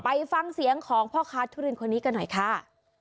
ไปฟังเสียงของพ่อค้าทุเรียนคนนี้กันหน่อยค่ะ